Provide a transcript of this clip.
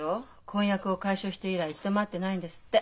婚約を解消して以来一度も会ってないんですって。